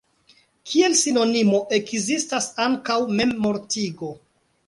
Kiel sinonimo ekzistas ankaŭ "memmortigo".